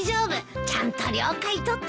ちゃんと了解取ったから。